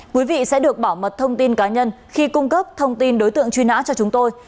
quý vị sẽ được bảo mật thông tin cá nhân khi cung cấp thông tin đối tượng truy nã cho chúng tôi